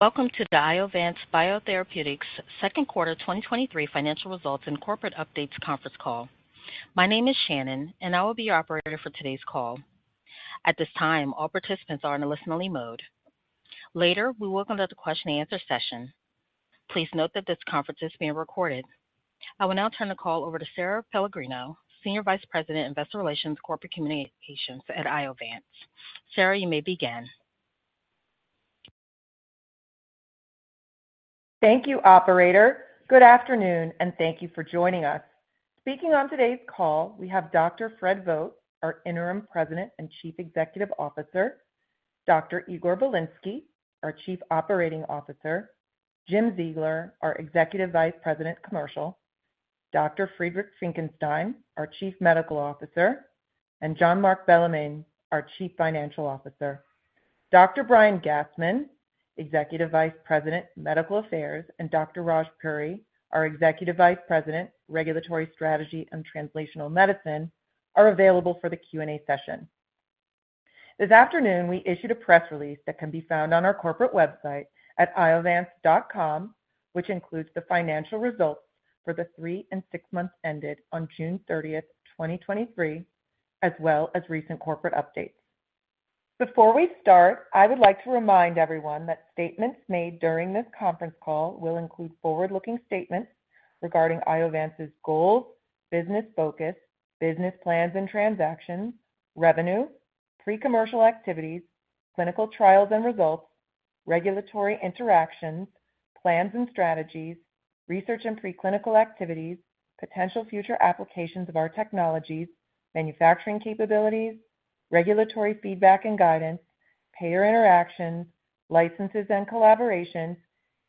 Welcome to the Iovance Biotherapeutics second quarter 2023 financial results and corporate updates conference call. My name is Shannon, I will be your operator for today's call. At this time, all participants are in a listening mode. Later, we will open up the question and answer session. Please note that this conference is being recorded. I will now turn the call over to Sarah Pellegrino, Senior Vice President, Investor Relations Corporate Communications at Iovance. Sarah, you may begin. Thank you, operator. Good afternoon, and thank you for joining us. Speaking on today's call, we have Dr. Fred Vogt, our Interim President and Chief Executive Officer, Dr. Igor Belinsky, our Chief Operating Officer, Jim Ziegler, our Executive Vice President, Commercial, Dr. Friedrich Finckenstein, our Chief Medical Officer, and Jean-Marc Bellemin, our Chief Financial Officer. Dr. Brian Gastman, Executive Vice President, Medical Affairs, and Dr. Raj Puri, our Executive Vice President, Regulatory Strategy and Translational Medicine, are available for the Q&A session. This afternoon, we issued a press release that can be found on our corporate website at iovance.com, which includes the financial results for the three and six months ended on June 30, 2023, as well as recent corporate updates. Before we start, I would like to remind everyone that statements made during this conference call will include forward-looking statements regarding Iovance's goals, business focus, business plans and transactions, revenue, pre-commercial activities, clinical trials and results, regulatory interactions, plans and strategies, research and preclinical activities, potential future applications of our technologies, manufacturing capabilities, regulatory feedback and guidance, payer interactions, licenses and collaborations,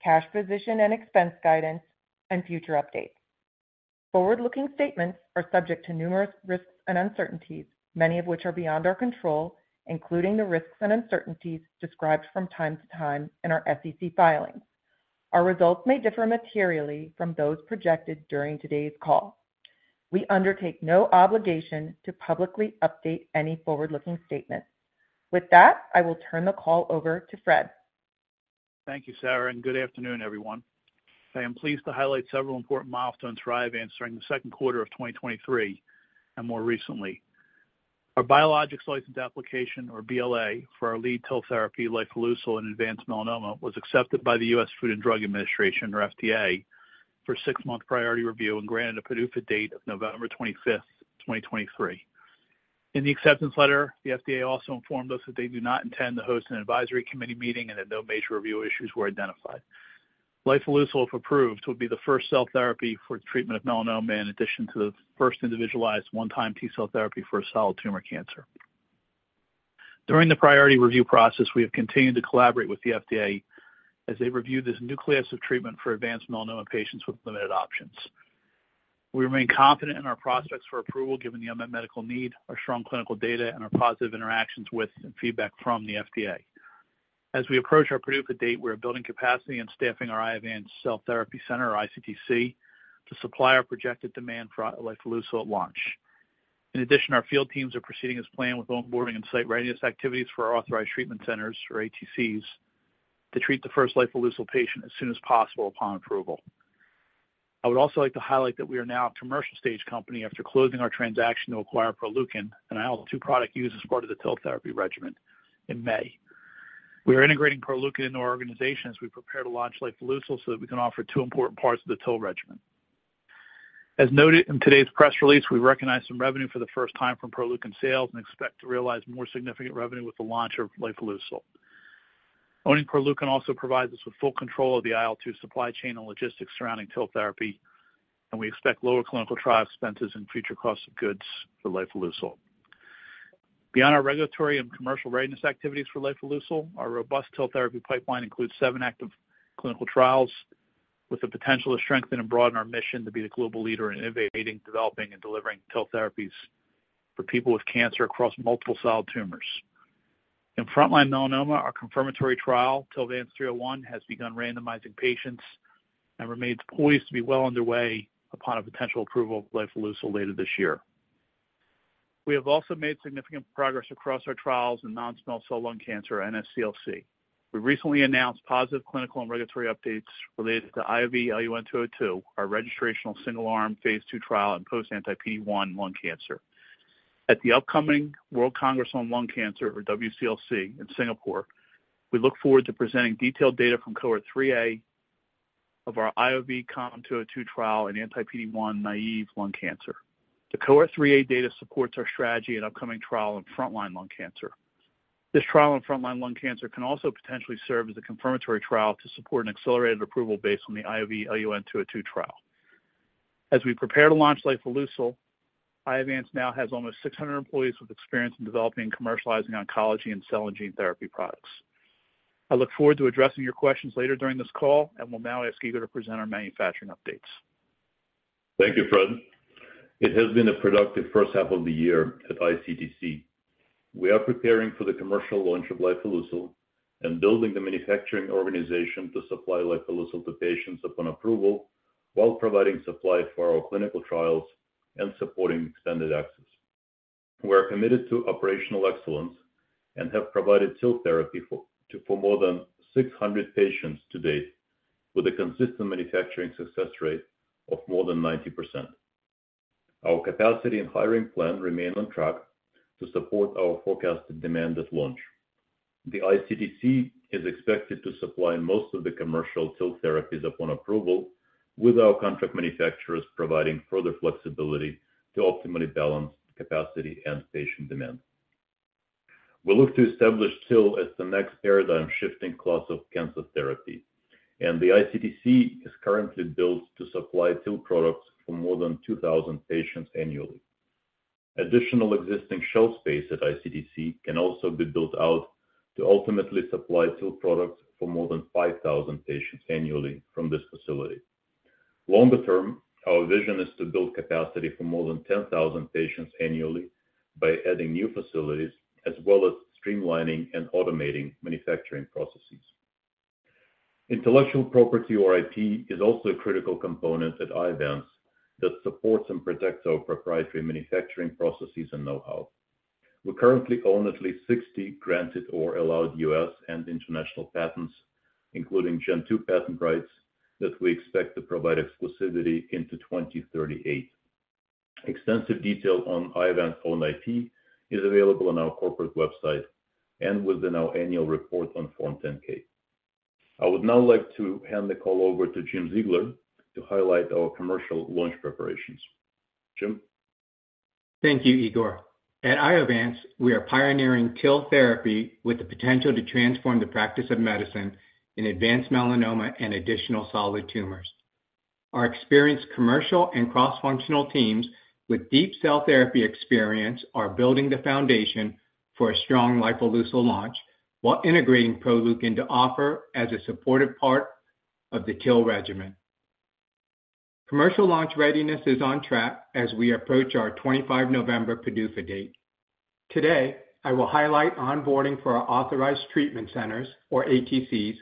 cash position and expense guidance, and future updates. Forward-looking statements are subject to numerous risks and uncertainties, many of which are beyond our control, including the risks and uncertainties described from time to time in our SEC filings. Our results may differ materially from those projected during today's call. We undertake no obligation to publicly update any forward-looking statements. With that, I will turn the call over to Fred. Thank you, Sarah. Good afternoon, everyone. I am pleased to highlight several important milestones for Iovance during the second quarter of 2023 and more recently. Our Biologics License Application, or BLA, for our lead TIL therapy, lifileucel in advanced melanoma, was accepted by the U.S. Food and Drug Administration, or FDA, for six-month priority review and granted a PDUFA date of November 25th, 2023. In the acceptance letter, the FDA also informed us that they do not intend to host an advisory committee meeting and that no major review issues were identified. Lifileucel, if approved, will be the first cell therapy for the treatment of melanoma, in addition to the first individualized one-time T-cell therapy for a solid tumor cancer. During the priority review process, we have continued to collaborate with the FDA as they review this new class of treatment for advanced melanoma patients with limited options. We remain confident in our prospects for approval, given the unmet medical need, our strong clinical data, and our positive interactions with and feedback from the FDA. As we approach our PDUFA date, we are building capacity and staffing our Iovance Cell Therapy Center, or ICTC, to supply our projected demand for lifileucel at launch. In addition, our field teams are proceeding as planned with onboarding and site readiness activities for our Authorized Treatment Centers, or ATCs, to treat the first lifileucel patient as soon as possible upon approval. I would also like to highlight that we are now a commercial stage company after closing our transaction to acquire Proleukin and IL-2 product use as part of the TIL therapy regimen in May. We are integrating Proleukin into our organization as we prepare to launch lifileucel so that we can offer two important parts of the TIL regimen. As noted in today's press release, we recognized some revenue for the first time from Proleukin sales and expect to realize more significant revenue with the launch of lifileucel. Owning Proleukin also provides us with full control of the IL-2 supply chain and logistics surrounding TIL therapy, and we expect lower clinical trial expenses and future costs of goods for lifileucel. Beyond our regulatory and commercial readiness activities for lifileucel, our robust TIL therapy pipeline includes seven active clinical trials with the potential to strengthen and broaden our mission to be the global leader in innovating, developing and delivering TIL therapies for people with cancer across multiple solid tumors. In frontline melanoma, our confirmatory trial, TILVANCE-301, has begun randomizing patients and remains poised to be well underway upon a potential approval of lifileucel later this year. We have also made significant progress across our trials in non-small cell lung cancer, NSCLC. We recently announced positive clinical and regulatory updates related to IOV-LUN-202, our registrational single-arm Phase 2 trial in post anti-PD-1 lung cancer. At the upcoming World Congress on Lung Cancer, or WCLC, in Singapore, we look forward to presenting detailed data from cohort 3A of our IOV-COM-202 trial in anti-PD-1 naive lung cancer. The cohort 3A data supports our strategy in upcoming trial in frontline lung cancer. This trial in frontline lung cancer can also potentially serve as a confirmatory trial to support an accelerated approval based on the IOV-LUN-202 trial. As we prepare to launch lifileucel, Iovance now has almost 600 employees with experience in developing and commercializing oncology and cell and gene therapy products. I look forward to addressing your questions later during this call and will now ask Igor to present our manufacturing updates. Thank you, Fred. It has been a productive first half of the year at ICTC. We are preparing for the commercial launch of lifileucel and building the manufacturing organization to supply lifileucel to patients upon approval, while providing supply for our clinical trials and supporting extended access. We are committed to operational excellence and have provided TIL therapy for, to, for more than 600 patients to date, with a consistent manufacturing success rate of more than 90%. Our capacity and hiring plan remain on track to support our forecasted demand at launch. The ICTC is expected to supply most of the commercial TIL therapies upon approval, with our contract manufacturers providing further flexibility to optimally balance capacity and patient demand. We look to establish TIL as the next paradigm-shifting class of cancer therapy, and the ICTC is currently built to supply TIL products for more than 2,000 patients annually. Additional existing shell space at ICTC can also be built out to ultimately supply TIL products for more than 5,000 patients annually from this facility. Longer term, our vision is to build capacity for more than 10,000 patients annually by adding new facilities, as well as streamlining and automating manufacturing processes. Intellectual property, or IP, is also a critical component at Iovance that supports and protects our proprietary manufacturing processes and know-how. We currently own at least 60 granted or allowed U.S. and international patents, including Gen 2 patent rights, that we expect to provide exclusivity into 2038. Extensive detail on Iovance owned IP is available on our corporate website and within our annual report on Form 10-K. I would now like to hand the call over to Jim Ziegler to highlight our commercial launch preparations. Jim? Thank you, Igor. At Iovance, we are pioneering TIL therapy with the potential to transform the practice of medicine in advanced melanoma and additional solid tumors. Our experienced commercial and cross-functional teams with deep cell therapy experience are building the foundation for a strong lifileucel launch, while integrating Proleukin to offer as a supportive part of the TIL regimen. Commercial launch readiness is on track as we approach our 25 November PDUFA date. Today, I will highlight onboarding for our Authorized Treatment Centers, or ATCs,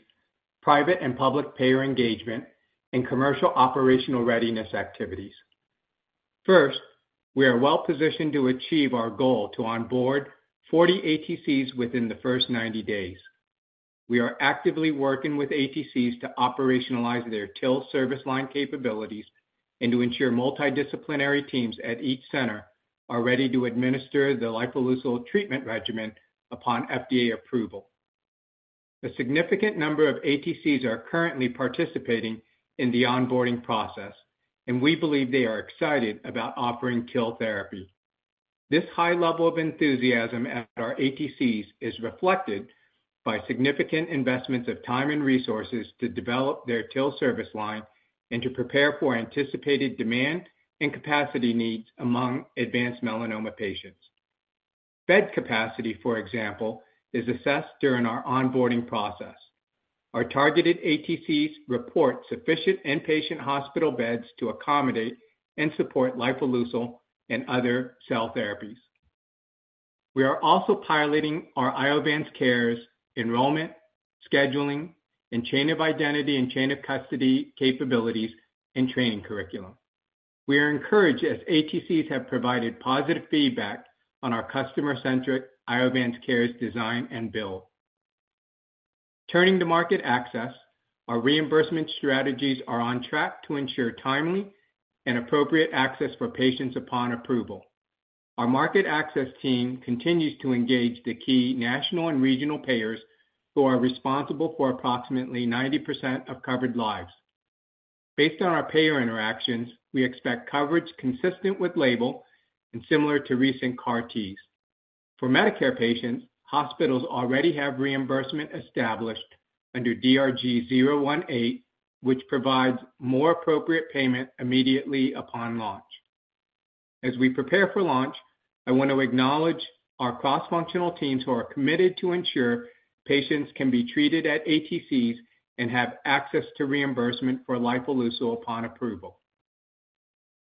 private and public payer engagement, and commercial operational readiness activities. First, we are well positioned to achieve our goal to onboard 40 ATCs within the first 90 days. We are actively working with ATCs to operationalize their TIL service line capabilities and to ensure multidisciplinary teams at each center are ready to administer the lifileucel treatment regimen upon FDA approval. A significant number of ATCs are currently participating in the onboarding process, and we believe they are excited about offering TIL therapy. This high level of enthusiasm at our ATCs is reflected by significant investments of time and resources to develop their TIL service line and to prepare for anticipated demand and capacity needs among advanced melanoma patients. Bed capacity, for example, is assessed during our onboarding process. Our targeted ATCs report sufficient in-patient hospital beds to accommodate and support lifileucel and other cell therapies. We are also piloting our IovanceCares, enrollment, scheduling, and chain of identity and chain of custody capabilities and training curriculum. We are encouraged as ATCs have provided positive feedback on our customer-centric IovanceCares design and build. Turning to market access, our reimbursement strategies are on track to ensure timely and appropriate access for patients upon approval. Our market access team continues to engage the key national and regional payers who are responsible for approximately 90% of covered lives. Based on our payer interactions, we expect coverage consistent with label and similar to recent CAR-Ts. For Medicare patients, hospitals already have reimbursement established under DRG 018, which provides more appropriate payment immediately upon launch. As we prepare for launch, I want to acknowledge our cross-functional teams who are committed to ensure patients can be treated at ATCs and have access to reimbursement for lifileucel upon approval.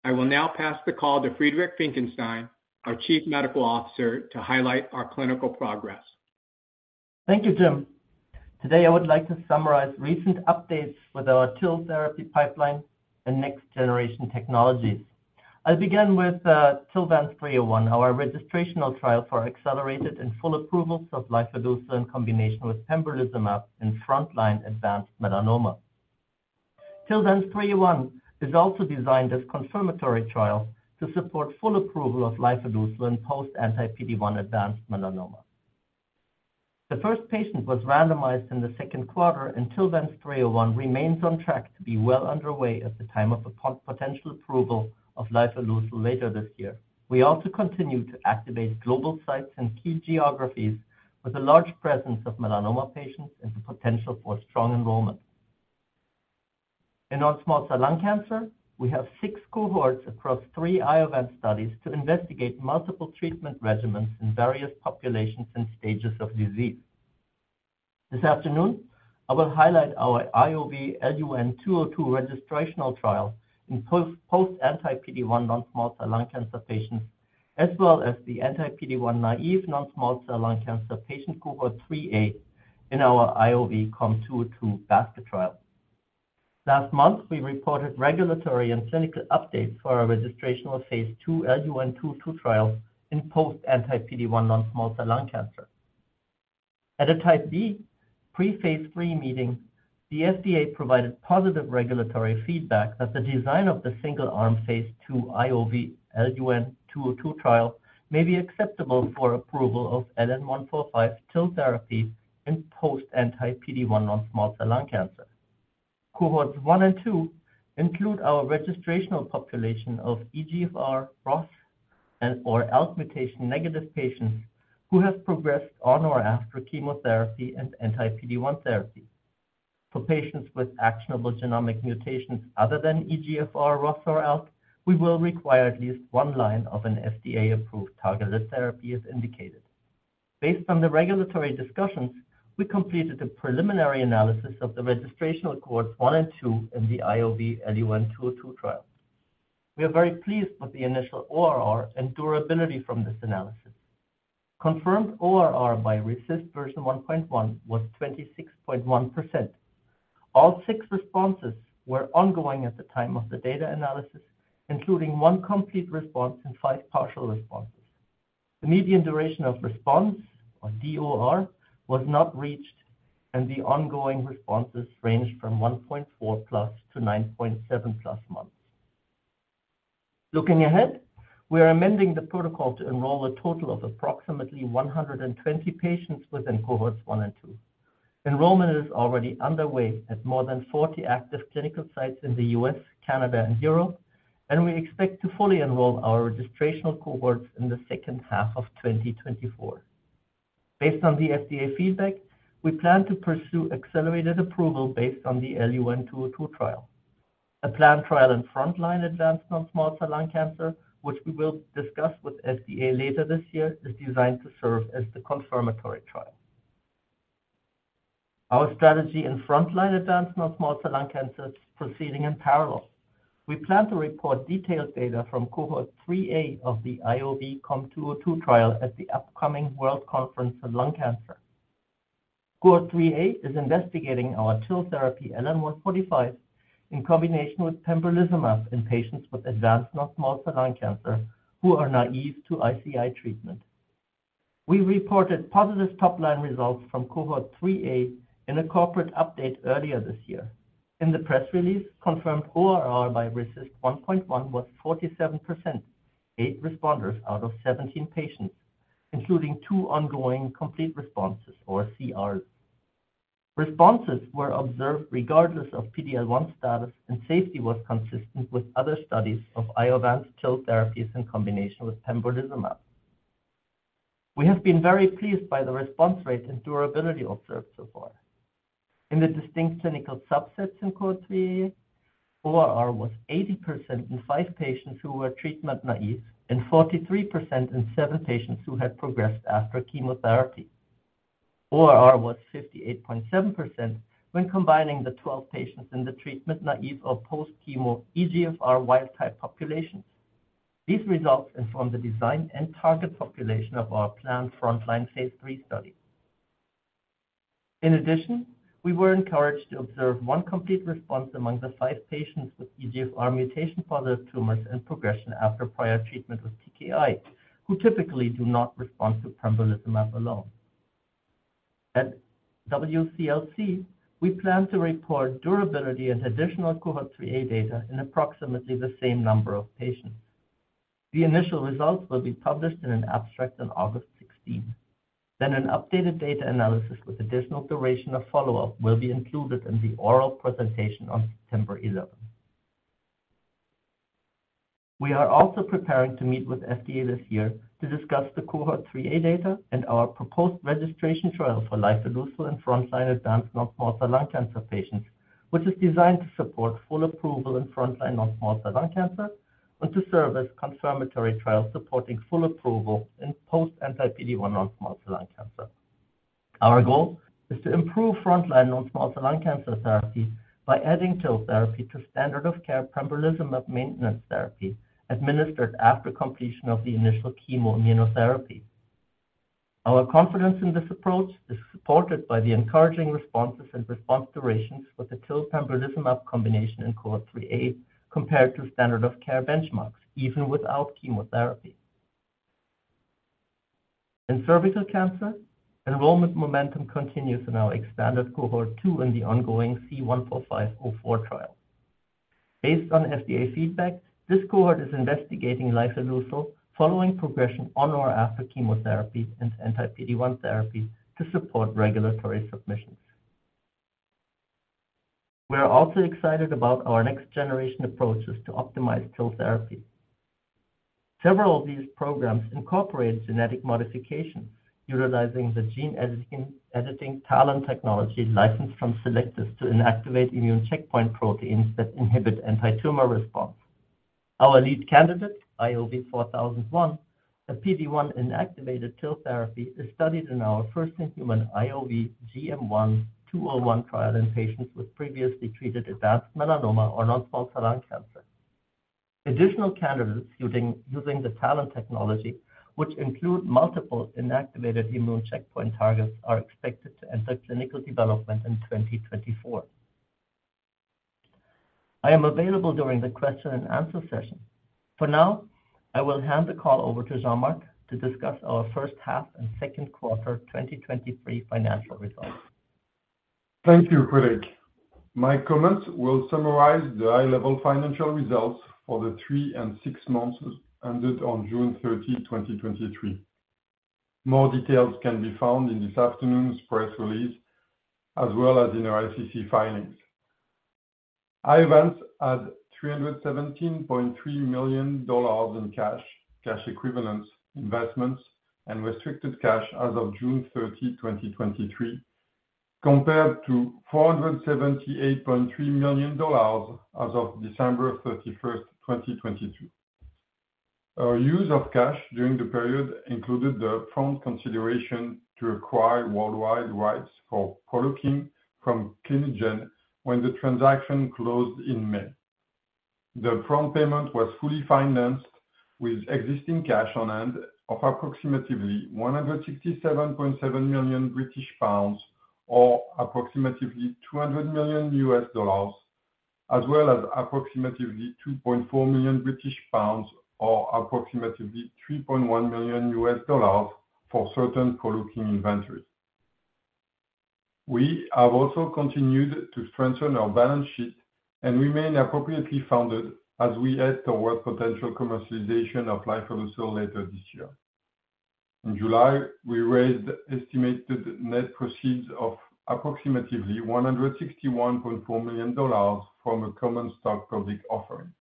I will now pass the call to Friedrich Finckenstein, our Chief Medical Officer, to highlight our clinical progress. Thank you, Jim. Today, I would like to summarize recent updates with our TIL therapy pipeline and next-generation technologies. I'll begin with TILVANCE-301, our registrational trial for accelerated and full approvals of lifileucel in combination with pembrolizumab in frontline advanced melanoma. TILVANCE-301 is also designed as confirmatory trial to support full approval of lifileucel in post anti-PD-1 advanced melanoma. The first patient was randomized in the second quarter, TILVANCE-301 remains on track to be well underway at the time of the potential approval of lifileucel later this year. We also continue to activate global sites in key geographies with a large presence of melanoma patients and the potential for strong enrollment. In non-small cell lung cancer, we have 6 cohorts across 3 Iovance studies to investigate multiple treatment regimens in various populations and stages of disease. This afternoon, I will highlight our IOV-LUN-202 registrational trial in post, post anti-PD-1 non-small cell lung cancer patients, as well as the anti-PD-1 naive non-small cell lung cancer patient cohort 3A in our IOV-COM-202 basket trial. Last month, we reported regulatory and clinical updates for our registrational Phase II IOV-LUN-202 trials in post anti-PD-1 non-small cell lung cancer. At a Type B pre-Phase 3 meeting, the FDA provided positive regulatory feedback that the design of the single-arm Phase II IOV-LUN-202 trial may be acceptable for approval of LN-145 TIL therapy in post anti-PD-1 non-small cell lung cancer. Cohorts 1 and 2 include our registrational population of EGFR, ROS, and/or ALK mutation-negative patients who have progressed on or after chemotherapy and anti-PD-1 therapy. For patients with actionable genomic mutations other than EGFR, ROS, or ALK, we will require at least one line of an FDA-approved targeted therapy as indicated. Based on the regulatory discussions, we completed a preliminary analysis of the registrational cohorts 1 and 2 in the IOV-LUN-202 trial. We are very pleased with the initial ORR and durability from this analysis. Confirmed ORR by RECIST v1.1 was 26.1%. All 6 responses were ongoing at the time of the data analysis, including 1 complete response and 5 partial responses. The median duration of response, or DOR, was not reached, and the ongoing responses ranged from 1.4+ to 9.7+ months. Looking ahead, we are amending the protocol to enroll a total of approximately 120 patients within cohorts 1 and 2. Enrollment is already underway at more than 40 active clinical sites in the US, Canada, and Europe, and we expect to fully enroll our registrational cohorts in the second half of 2024. Based on the FDA feedback, we plan to pursue accelerated approval based on the LU-1202 trial. A planned trial in frontline advanced non-small cell lung cancer, which we will discuss with FDA later this year, is designed to serve as the confirmatory trial. Our strategy in frontline advanced non-small cell lung cancer is proceeding in parallel. We plan to report detailed data from cohort 3A of the IOV-COM-202 trial at the upcoming World Conference on Lung Cancer. Cohort 3A is investigating our TIL therapy, LN-145, in combination with pembrolizumab in patients with advanced non-small cell lung cancer who are naive to ICI treatment. We reported positive top-line results from cohort 3A in a corporate update earlier this year. In the press release, confirmed ORR by RECIST v1.1 was 47, 8 responders out of 17 patients, including 2 ongoing complete responses, or CRs. Responses were observed regardless of PD-L1 status, and safety was consistent with other studies of Iovance's TIL therapies in combination with pembrolizumab. We have been very pleased by the response rate and durability observed so far. In the distinct clinical subsets in cohort 3, ORR was 80% in 5 patients who were treatment naive and 43% in 7 patients who had progressed after chemotherapy. ORR was 58.7% when combining the 12 patients in the treatment-naive or post-chemo EGFR wild-type population. These results inform the design and target population of our planned frontline Phase 3 study. In addition, we were encouraged to observe one complete response among the five patients with EGFR mutation-positive tumors and progression after prior treatment with TKI, who typically do not respond to pembrolizumab alone. At WCLC, we plan to report durability and additional cohort three A data in approximately the same number of patients. The initial results will be published in an abstract on August 16th. An updated data analysis with additional duration of follow-up will be included in the oral presentation on September 11th. We are also preparing to meet with FDA this year to discuss the cohort three A data and our proposed registration trial for lifileucel in frontline advanced non-small cell lung cancer patients, which is designed to support full approval in frontline non-small cell lung cancer and to serve as a confirmatory trial supporting full approval in post anti-PD-1 non-small cell lung cancer. Our goal is to improve frontline non-small cell lung cancer therapy by adding TIL therapy to standard of care pembrolizumab maintenance therapy, administered after completion of the initial chemoimmunotherapy. Our confidence in this approach is supported by the encouraging responses and response durations with the TIL pembrolizumab combination in cohort 3A, compared to standard of care benchmarks, even without chemotherapy. In cervical cancer, enrollment momentum continues in our expanded cohort 2 in the ongoing C-145-04 trial. Based on FDA feedback, this cohort is investigating lifileucel following progression on or after chemotherapy and anti-PD-1 therapy to support regulatory submissions. We are also excited about our next-generation approaches to optimize TIL therapy. Several of these programs incorporate genetic modifications utilizing the gene editing TALEN technology licensed from Cellectis to inactivate immune checkpoint proteins that inhibit antitumor response. Our lead candidate, IOV-4001, a PD-1-inactivated TIL therapy, is studied in our first-in-human IOV-GM1-201 trial in patients with previously treated advanced melanoma or non-small cell lung cancer. Additional candidates using the TALEN technology, which include multiple inactivated immune checkpoint targets, are expected to enter clinical development in 2024. I am available during the question and answer session. For now, I will hand the call over to Jean-Marc to discuss our first half and second quarter 2023 financial results. Thank you, Friedrich. My comments will summarize the high-level financial results for the 3 and 6 months ended on June 30, 2023. More details can be found in this afternoon's press release, as well as in our SEC filings. Iovance had $317.3 million in cash, cash equivalents, investments, and restricted cash as of June 30, 2023, compared to $478.3 million as of December 31, 2022. Our use of cash during the period included the upfront consideration to acquire worldwide rights for Proleukin from Clinigen, when the transaction closed in May. The upfront payment was fully financed with existing cash on hand of approximately 167.7 million British pounds, or approximately $200 million, as well as approximately 2.4 million British pounds, or approximately $3.1 million for certain Proleukin inventory. We have also continued to strengthen our balance sheet and remain appropriately funded as we head toward potential commercialization of lifileucel later this year. In July, we raised estimated net proceeds of approximately $161.4 million from a common stock public offering.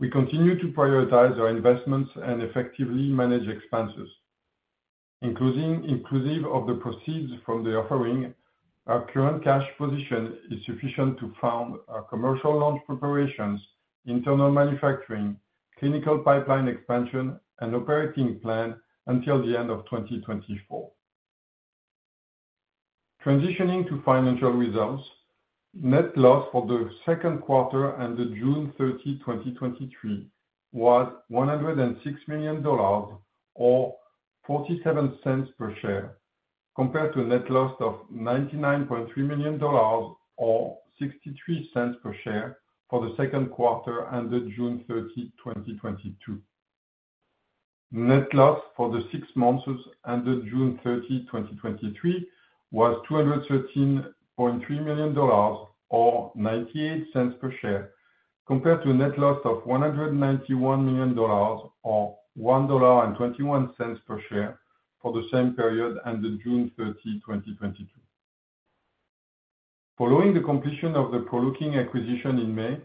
Inclusive of the proceeds from the offering, our current cash position is sufficient to fund our commercial launch preparations, internal manufacturing, clinical pipeline expansion, and operating plan until the end of 2024. Transitioning to financial results, net loss for the second quarter and the June 30, 2023, was $106 million or $0.47 per share, compared to a net loss of $99.3 million or $0.63 per share for the second quarter and the June 30, 2022. Net loss for the six months ended June 30, 2023, was $213.3 million, or $0.98 per share, compared to a net loss of $191 million, or $1.21 per share, for the same period and the June 30, 2022. Following the completion of the Proleukin acquisition in May,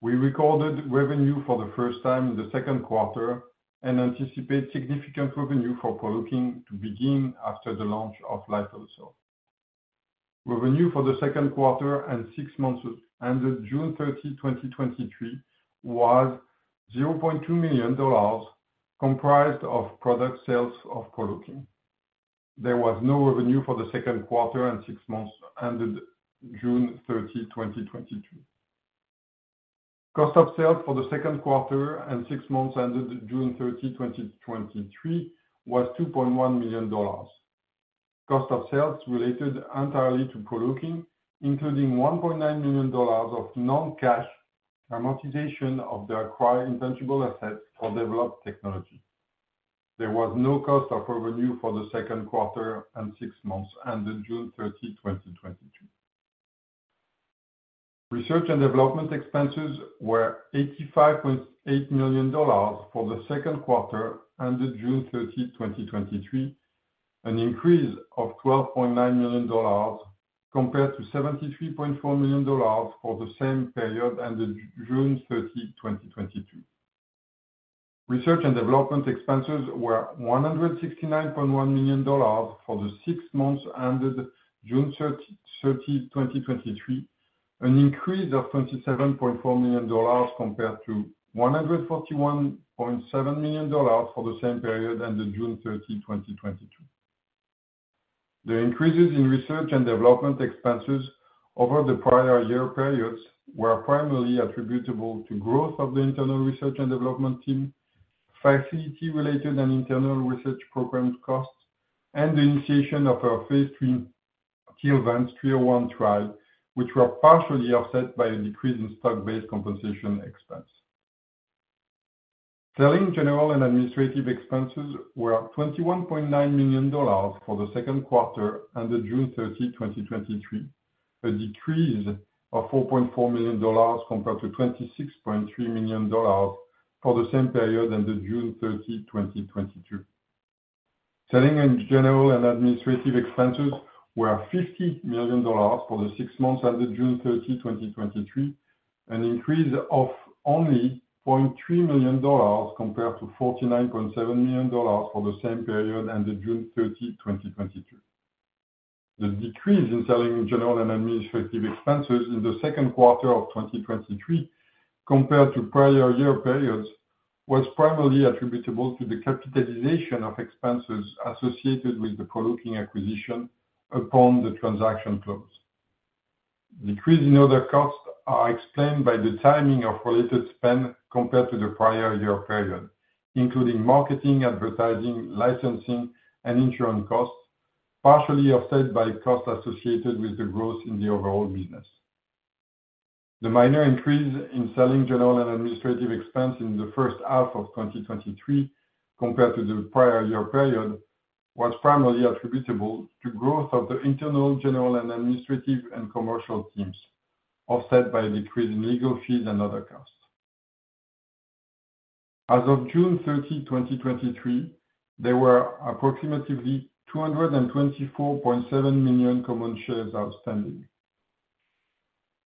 we recorded revenue for the first time in the second quarter and anticipate significant revenue for Proleukin to begin after the launch of lifileucel. Revenue for the second quarter and six months ended June 30, 2023, was $0.2 million, comprised of product sales of Proleukin. There was no revenue for the second quarter and six months ended June 30, 2022. Cost of sales for the second quarter and six months ended June 30, 2023, was $2.1 million. Cost of sales related entirely to Proleukin, including $1.9 million of non-cash amortization of the acquired intangible assets for developed technology. There was no cost of revenue for the second quarter and six months ended June 30, 2022. Research and development expenses were $85.8 million for the second quarter ended June 30, 2023, an increase of $12.9 million, compared to $73.4 million for the same period ended June 30, 2022. Research and development expenses were $169.1 million for the 6 months ended June 30, 2023, an increase of $27.4 million, compared to $141.7 million for the same period ended June 30, 2022. The increases in research and development expenses over the prior year periods were primarily attributable to growth of the internal research and development team, facility-related and internal research program costs, and the initiation of our phase 3 TILVANCE-301 trial, which were partially offset by a decrease in stock-based compensation expense. Selling general and administrative expenses were $21.9 million for the second quarter ended June 30, 2023, a decrease of $4.4 million, compared to $26.3 million for the same period ended June 30, 2022. Selling and general and administrative expenses were $50 million for the 6 months ended June 30, 2023, an increase of only $0.3 million, compared to $49.7 million for the same period ended June 30, 2022. The decrease in selling general and administrative expenses in the second quarter of 2023, compared to prior year periods, was primarily attributable to the capitalization of expenses associated with the Proleukin acquisition upon the transaction close. Decrease in other costs are explained by the timing of related spend compared to the prior year period, including marketing, advertising, licensing, and insurance costs, partially offset by costs associated with the growth in the overall business. The minor increase in selling general and administrative expense in the first half of 2023 compared to the prior year period, was primarily attributable to growth of the internal, general and administrative and commercial teams, offset by a decrease in legal fees and other costs. As of June 30, 2023, there were approximately 224.7 million common shares outstanding.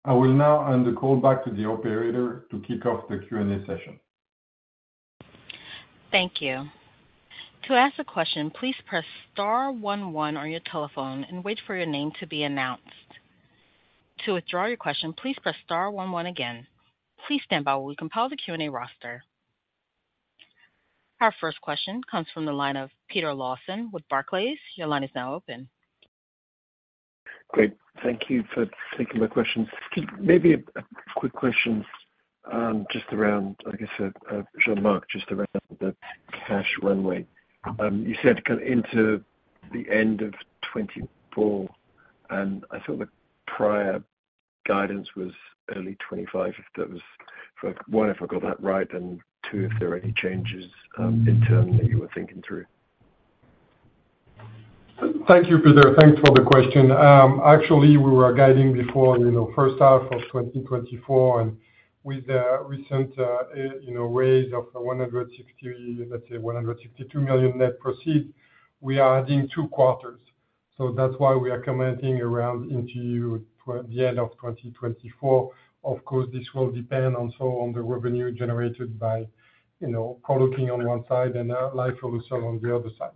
I will now hand the call back to the operator to kick off the Q&A session. Thank you. To ask a question, please press star one one on your telephone and wait for your name to be announced. To withdraw your question, please press star one one again. Please stand by while we compile the Q&A roster. Our first question comes from the line of Peter Lawson with Barclays. Your line is now open. Great. Thank you for taking my questions. Maybe a quick question, just around, I guess, Jean-Marc, just around the cash runway. You said kind of into the end of 2024, and I thought the prior guidance was early 2025, if that was for 1, if I got that right, and 2, if there are any changes, in term that you were thinking through. Thank you, Peter. Thanks for the question. Actually, we were guiding before, you know, first half of 2024, and with the recent, you know, raise of $160 million, let's say $162 million net proceed, we are adding 2 quarters. That's why we are commenting around into the end of 2024. Of course, this will depend also on the revenue generated by, you know, Proleukin on one side and lifileucel on the other side.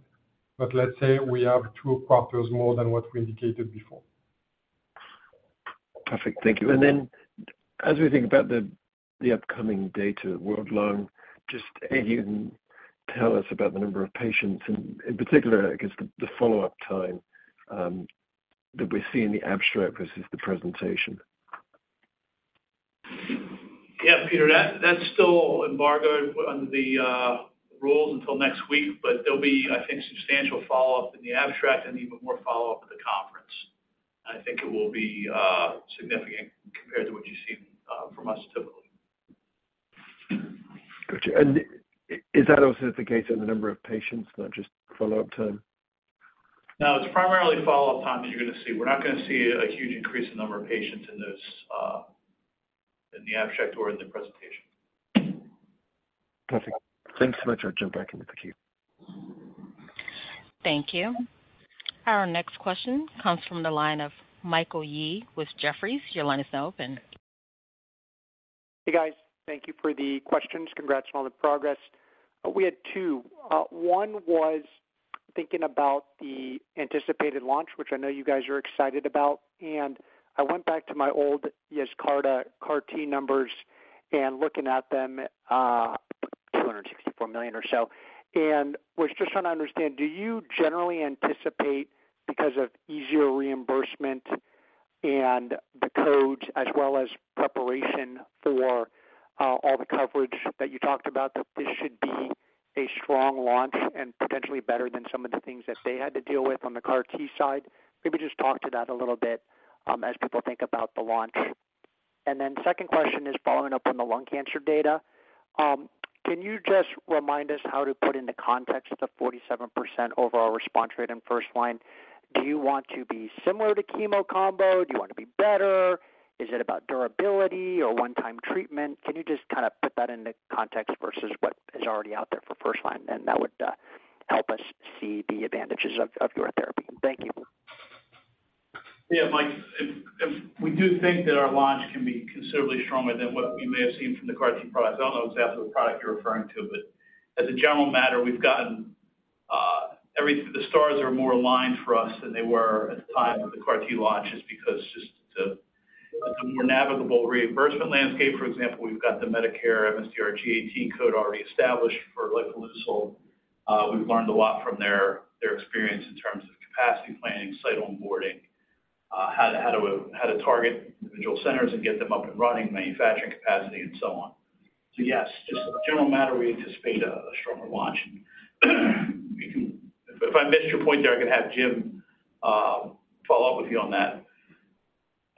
Let's say we have 2 quarters more than what we indicated before. Perfect. Thank you. As we think about the, the upcoming data World Lung, just can you tell us about the number of patients and in particular, I guess, the, the follow-up time that we see in the abstract versus the presentation? Yeah, Peter, that, that's still embargoed under the rules until next week, but there'll be, I think, substantial follow-up in the abstract and even more follow-up at the conference. I think it will be significant compared to what you've seen from us typically. Got you. Is that also the case in the number of patients, not just follow-up time? No, it's primarily follow-up time that you're gonna see. We're not gonna see a huge increase in number of patients in this, in the abstract or in the presentation. Perfect. Thanks so much. I jump back in the queue. Thank you. Our next question comes from the line of Michael Yee with Jefferies. Your line is now open. Hey, guys. Thank you for the questions. Congrats on all the progress. We had two. One was thinking about the anticipated launch, which I know you guys are excited about, and I went back to my old Yescarta CAR T numbers and looking at them, $264 million or so. Was just trying to understand, do you generally anticipate, because of easier reimbursement and the codes, as well as preparation for all the coverage that you talked about, that this should be a strong launch and potentially better than some of the things that they had to deal with on the CAR T side? Maybe just talk to that a little bit, as people think about the launch. Second question is following up on the lung cancer data. Can you just remind us how to put in the context of the 47% overall response rate in first line? Do you want to be similar to chemo combo? Do you want to be better? Is it about durability or one-time treatment? Can you just kind of put that into context versus what is already out there for first line? That would help us see the advantages of, of your therapy. Thank you. Yeah, Mike, if, if we do think that our launch can be considerably stronger than what we may have seen from the CAR T products. I don't know exactly what product you're referring to, as a general matter, we've gotten the stars are more aligned for us than they were at the time of the CAR T launches because just the, the more navigable reimbursement landscape, for example, we've got the Medicare MS-DRG code already established for lifileucel. We've learned a lot from their, their experience in terms of capacity planning, site onboarding, how to target individual centers and get them up and running, manufacturing capacity, and so on. Yes, just as a general matter, we anticipate a stronger launch. If I missed your point there, I can have Jim follow up with you on that.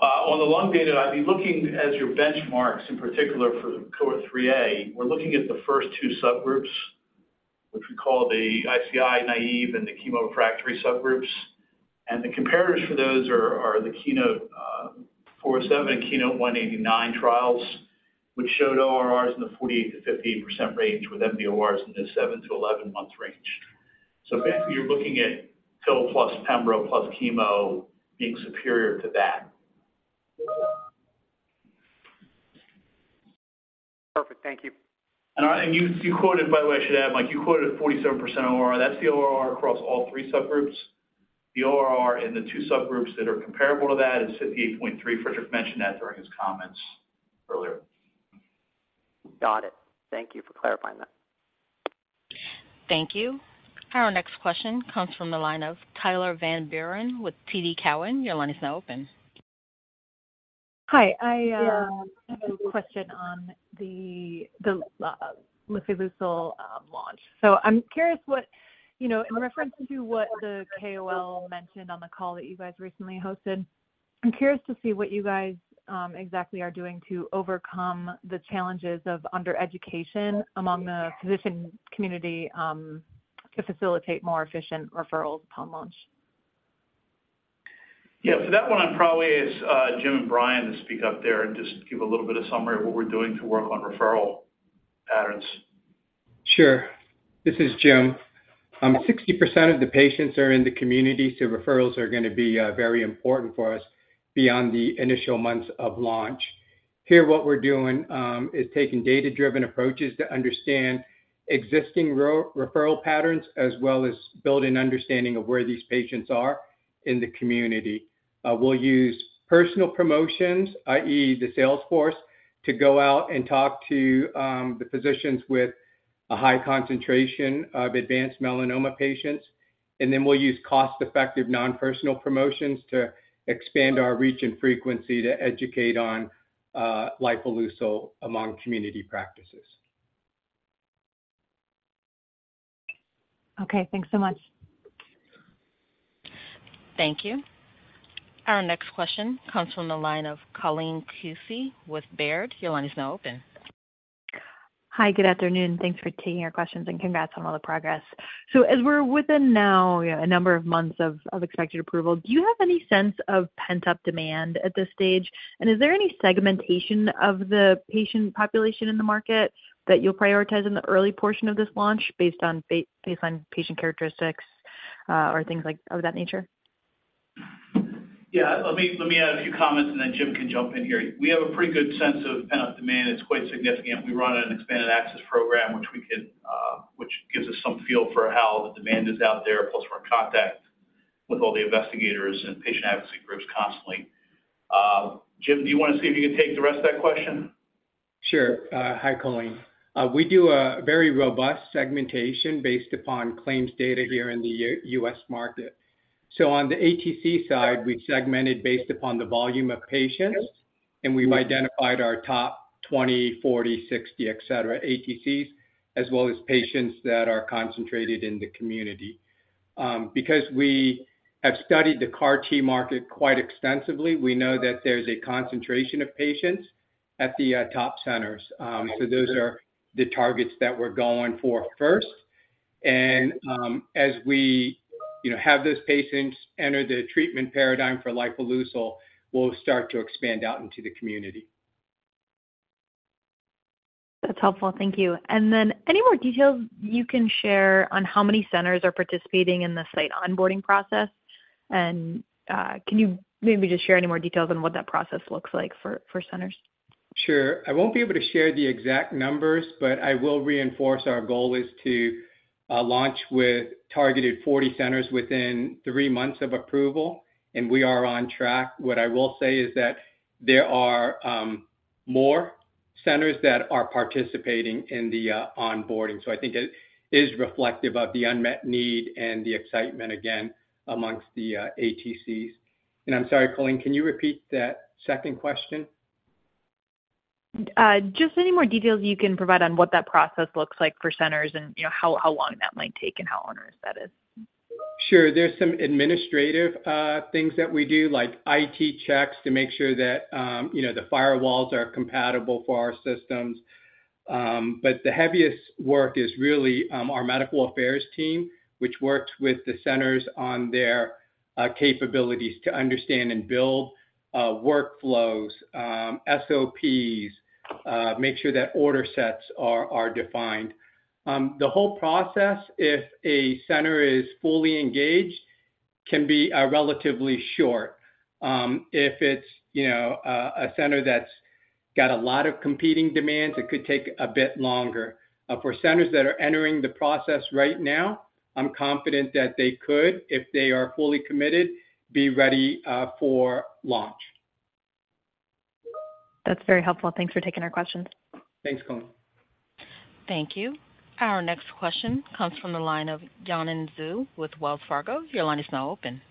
On the lung data, I'd be looking as your benchmarks, in particular for the cohort 3A. We're looking at the first two subgroups, which we call the ICI-naive and the chemo-refractory subgroups. The comparators for those are the KEYNOTE 407, KEYNOTE 189 trials, which showed ORRs in the 48%-58% range with mDORs in the 7-11 month range. Basically, you're looking at TIL plus pembro plus chemo being superior to that. Perfect. Thank you. You, you quoted, by the way, I should add, Mike, you quoted a 47% ORR. That's the ORR across all three subgroups. The ORR in the two subgroups that are comparable to that is 58.3. Frederik mentioned that during his comments earlier. Got it. Thank you for clarifying that. Thank you. Our next question comes from the line of Tyler Van Buren with TD Cowen. Your line is now open. Hi, I have a question on the, the, lifileucel launch. I'm curious what, you know, in reference to what the KOL mentioned on the call that you guys recently hosted, I'm curious to see what you guys exactly are doing to overcome the challenges of under-education among the physician community to facilitate more efficient referrals upon launch? Yeah, for that one, I'd probably ask, Jim and Brian to speak up there and just give a little bit of summary of what we're doing to work on referral patterns. Sure. This is Jim. 60% of the patients are in the community, referrals are going to be very important for us beyond the initial months of launch. Here, what we're doing, is taking data-driven approaches to understand existing referral patterns, as well as build an understanding of where these patients are in the community. We'll use personal promotions, i.e., the sales force, to go out and talk to the physicians with a high concentration of advanced melanoma patients. We'll use cost-effective, non-personal promotions to expand our reach and frequency to educate on lifileucel among community practices. Okay, thanks so much. Thank you. Our next question comes from the line of Colleen Kusy with Baird. Your line is now open. Hi, good afternoon. Thanks for taking our questions, and congrats on all the progress. As we're within now, a number of months of, of expected approval, do you have any sense of pent-up demand at this stage? Is there any segmentation of the patient population in the market that you'll prioritize in the early portion of this launch based on patient characteristics, or things like, of that nature? Yeah, let me, let me add a few comments, and then Jim can jump in here. We have a pretty good sense of pent-up demand. It's quite significant. We run an expanded access program, which we could, which gives us some feel for how the demand is out there, plus more contact with all the investigators and patient advocacy groups constantly. Jim, do you want to see if you can take the rest of that question? Sure. Hi, Colleen. We do a very robust segmentation based upon claims data here in the U.S. market. On the ATC side, we've segmented based upon the volume of patients, and we've identified our top 20, 40, 60, et cetera, ATCs, as well as patients that are concentrated in the community. Because we have studied the CAR T market quite extensively, we know that there's a concentration of patients at the top centers. Those are the targets that we're going for first. As we, you know, have those patients enter the treatment paradigm for lifileucel, we'll start to expand out into the community. That's helpful. Thank you. Then any more details you can share on how many centers are participating in the site onboarding process? Can you maybe just share any more details on what that process looks like for, for centers? Sure. I won't be able to share the exact numbers, but I will reinforce our goal is to launch with targeted 40 centers within three months of approval, and we are on track. What I will say is that there are more centers that are participating in the onboarding. I think it is reflective of the unmet need and the excitement again amongst the ATCs. I'm sorry, Colleen, can you repeat that second question? Just any more details you can provide on what that process looks like for centers and, you know, how, how long that might take and how onerous that is? Sure. There's some administrative things that we do, like IT checks to make sure that, you know, the firewalls are compatible for our systems. The heaviest work is really our medical affairs team, which works with the centers on their capabilities to understand and build workflows, SOPs, make sure that order sets are defined. The whole process, if a center is fully engaged, can be relatively short. If it's, you know, a center that's got a lot of competing demands, it could take a bit longer. For centers that are entering the process right now, I'm confident that they could, if they are fully committed, be ready for launch. That's very helpful. Thanks for taking our questions. Thanks, Colleen. Thank you. Our next question comes from the line of Yanan Zhu with Wells Fargo. Your line is now open.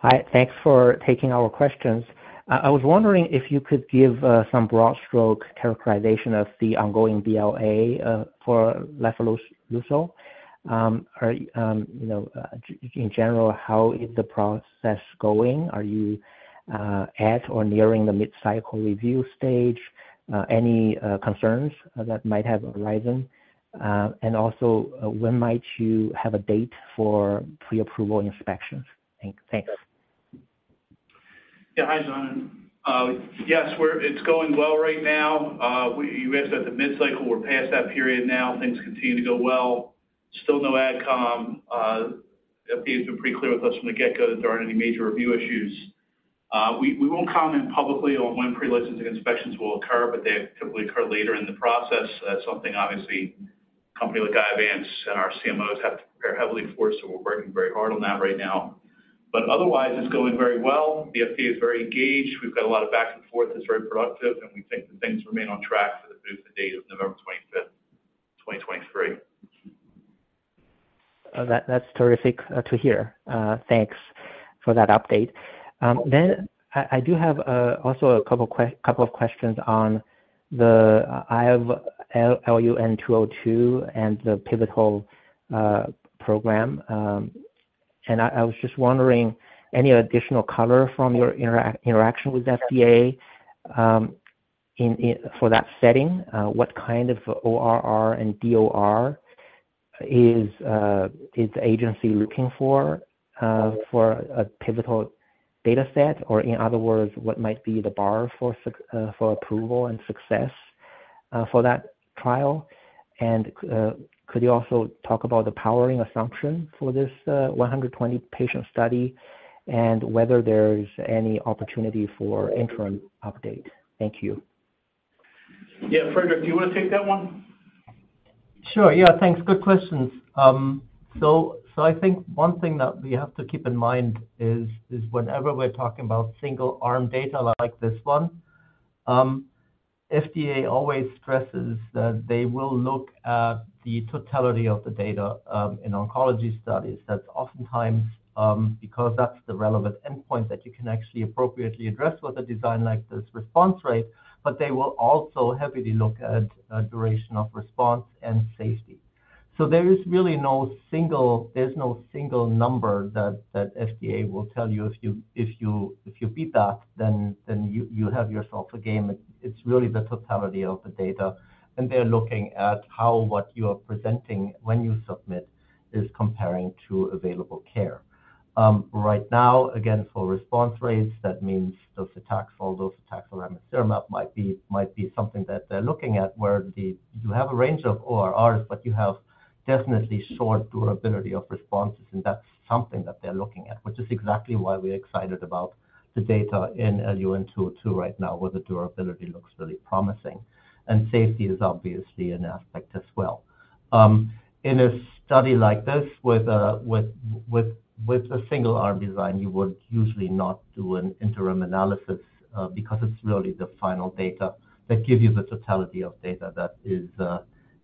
Hi, thanks for taking our questions. I was wondering if you could give some broad stroke characterization of the ongoing BLA for lifileucel. Are, you know, in general, how is the process going? Are you at or nearing the mid-cycle review stage? Any concerns that might have arisen? Also, when might you have a date for pre-approval inspections? Thank- thanks. Yeah, hi, Yanan. Yes, it's going well right now. You asked at the mid-cycle. We're past that period now. Things continue to go well. Still no AdCom. FDA has been pretty clear with us from the get-go that there aren't any major review issues. ... we, we won't comment publicly on when pre-licensing inspections will occur, but they typically occur later in the process. That's something obviously a company like Iovance and our CMOs have to prepare heavily for, so we're working very hard on that right now. Otherwise, it's going very well. The FDA is very engaged. We've got a lot of back and forth that's very productive, and we think that things remain on track for the PDUFA date of November 25th, 2023. That, that's terrific to hear. Thanks for that update. I, I do have also a couple of questions on the LUN-202 and the pivotal program. I, I was just wondering, any additional color from your interaction with FDA for that setting, what kind of ORR and DOR is the agency looking for for a pivotal data set? Or in other words, what might be the bar for approval and success for that trial? Could you also talk about the powering assumption for this 120 patient study, and whether there is any opportunity for interim update? Thank you. Yeah, Frederick, do you want to take that one? Sure. Yeah, thanks. Good questions. I think one thing that we have to keep in mind whenever we're talking about single-arm data like this one, FDA always stresses that they will look at the totality of the data in oncology studies. That's oftentimes because that's the relevant endpoint that you can actually appropriately address with a design like this response rate, but they will also heavily look at duration of response and safety. There is really no single number that FDA will tell you, if you beat that, then you have yourself a game. It's really the totality of the data, and they're looking at how what you are presenting when you submit is comparing to available care. Right now, again, for response rates, that means docetaxel, docetaxel and Cyramza might be, might be something that they're looking at, you have a range of ORRs, but you have definitely short durability of responses, and that's something that they're looking at, which is exactly why we're excited about the data in LUN-202 right now, where the durability looks really promising. Safety is obviously an aspect as well. In a study like this, with a single arm design, you would usually not do an interim analysis, because it's really the final data that gives you the totality of data that is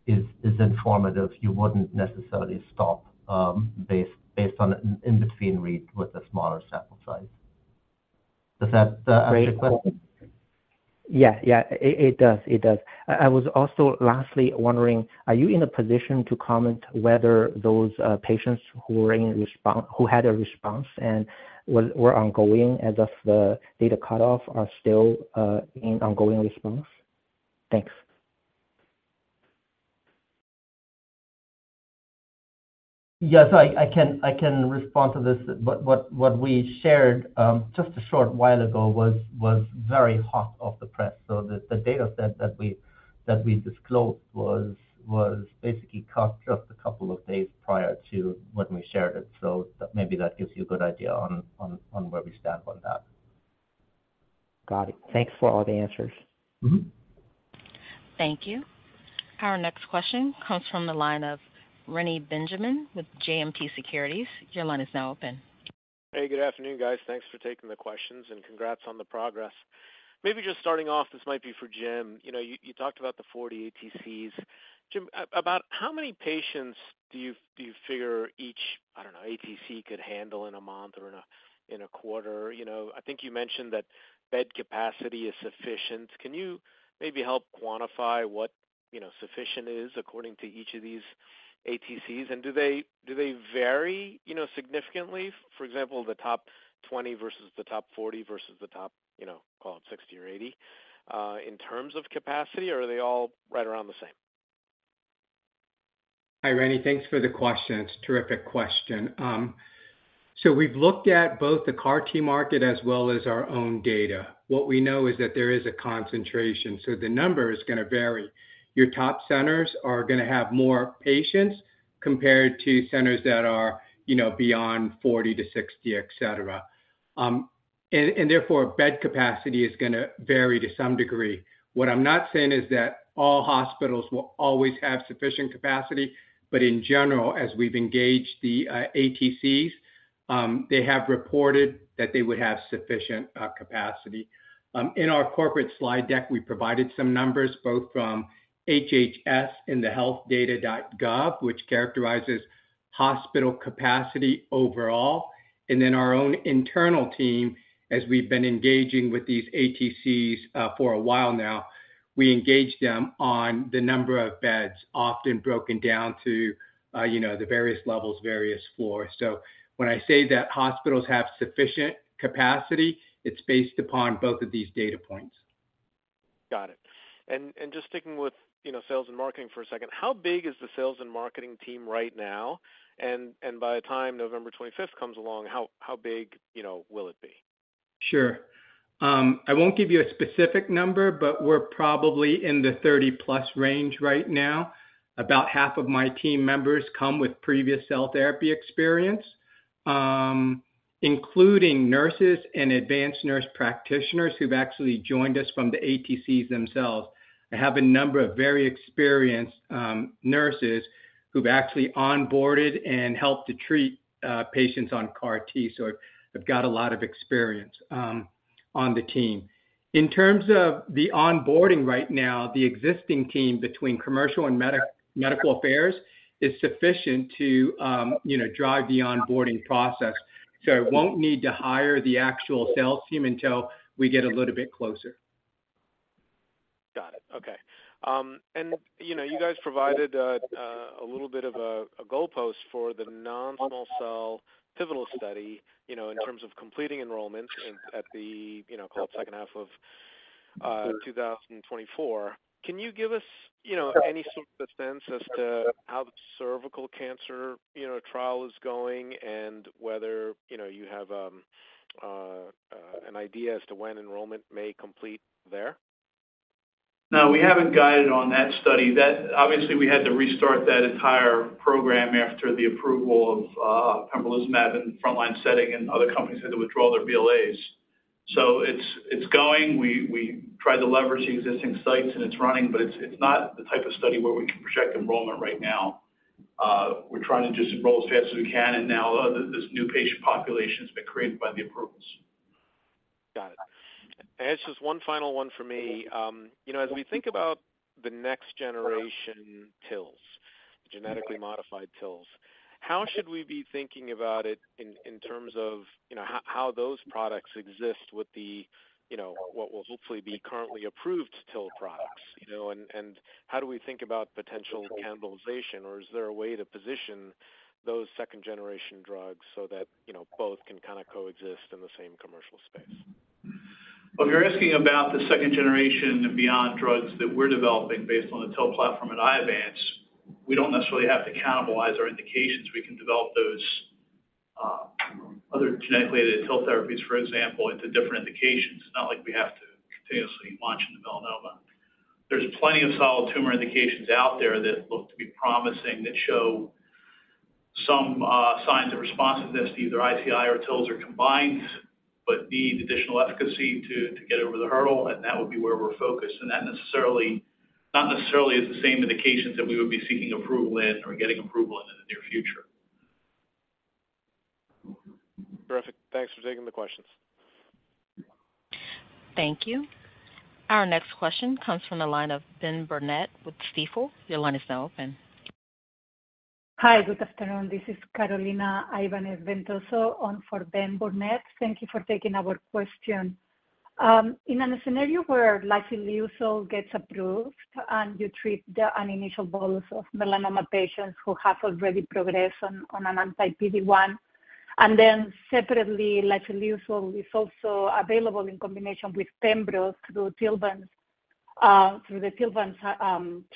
informative. You wouldn't necessarily stop, based on an in-between read with a smaller sample size. Does that answer your question? Yeah. Yeah, it, it does. It does. I, I was also lastly wondering, are you in a position to comment whether those patients who had a response and were ongoing as of the data cutoff, are still in ongoing response? Thanks. Yeah. I, I can, I can respond to this. What, what we shared, just a short while ago was, was very hot off the press. The, the data set that we, that we disclosed was, was basically cut just 2 days prior to when we shared it. Maybe that gives you a good idea on, on, on where we stand on that. Got it. Thanks for all the answers. Mm-hmm. Thank you. Our next question comes from the line of Reni Benjamin with JMP Securities. Your line is now open. Hey, good afternoon, guys. Thanks for taking the questions. Congrats on the progress. Maybe just starting off, this might be for Jim. You know, you talked about the 40 ATCs. Jim, about how many patients do you figure each, I don't know, ATC could handle in a month or in a quarter? You know, I think you mentioned that bed capacity is sufficient. Can you maybe help quantify what, you know, sufficient is according to each of these ATCs? Do they vary, you know, significantly? For example, the top 20 versus the top 40 versus the top, you know, call it 60 or 80 in terms of capacity, or are they all right around the same? Hi, Reni. Thanks for the question. It's a terrific question. We've looked at both the CAR T market as well as our own data. What we know is that there is a concentration, so the number is gonna vary. Your top centers are gonna have more patients compared to centers that are, you know, beyond 40 to 60, et cetera. And therefore, bed capacity is gonna vary to some degree. What I'm not saying is that all hospitals will always have sufficient capacity, but in general, as we've engaged the ATCs, they have reported that they would have sufficient capacity. In our corporate slide deck, we provided some numbers both from HHS and the healthdata.gov, which characterizes hospital capacity overall, and then our own internal team, as we've been engaging with these ATCs for a while now, we engage them on the number of beds, often broken down to, you know, the various levels, various floors. When I say that hospitals have sufficient capacity, it's based upon both of these data points. Got it. Just sticking with, you know, sales and marketing for a second, how big is the sales and marketing team right now? By the time November 25th comes along, how, how big, you know, will it be? Sure. I won't give you a specific number, but we're probably in the 30-plus range right now. About half of my team members come with previous cell therapy experience, including nurses and advanced nurse practitioners who've actually joined us from the ATCs themselves. I have a number of very experienced nurses who've actually onboarded and helped to treat patients on CAR T, so I've got a lot of experience on the team. In terms of the onboarding right now, the existing team between commercial and medical affairs is sufficient to, you know, drive the onboarding process. I won't need to hire the actual sales team until we get a little bit closer. Got it. Okay. you know, you guys provided a little bit of a goalpost for the non-squamous pivotal study, you know, in terms of completing enrollment at the, you know, called second half of 2024. Can you give us, you know, any sort of sense as to how the cervical cancer, you know, trial is going and whether, you know, you have an idea as to when enrollment may complete there? No, we haven't guided on that study. That, obviously, we had to restart that entire program after the approval of pembrolizumab in frontline setting, and other companies had to withdraw their BLAs. It's, it's going. We, we tried to leverage the existing sites, and it's running, but it's, it's not the type of study where we can project enrollment right now. We're trying to just enroll as fast as we can, and now this new patient population has been created by the approvals. Got it. Just one final one for me. You know, as we think about the next generation TILs, genetically modified TILs, how should we be thinking about it in, in terms of, you know, how, how those products exist with the, you know, what will hopefully be currently approved TIL products? How do we think about potential cannibalization, or is there a way to position those second-generation drugs so that, you know, both can kind of coexist in the same commercial space? Well, if you're asking about the second generation and beyond drugs that we're developing based on the TIL platform at Iovance, we don't necessarily have to cannibalize our indications. We can develop those other genetically related TIL therapies, for example, into different indications. It's not like we have to continuously launch into melanoma. There's plenty of solid tumor indications out there that look to be promising, that show some signs of responsiveness to either ICI or TILS or combined, but need additional efficacy to get over the hurdle, and that would be where we're focused. That necessarily, not necessarily is the same indications that we would be seeking approval in or getting approval in, in the near future. Terrific. Thanks for taking the questions. Thank you. Our next question comes from the line of Ben Burnett with Stifel. Your line is now open. Hi, good afternoon. This is Carolina Ibáñez Ventoso on for Ben Burnett. Thank you for taking our question. In a scenario where lifileucel gets approved and you treat the, an initial bolus of melanoma patients who have already progressed on, on an anti-PD-1, and then separately, lifileucel is also available in combination with pembro through the TILVANCE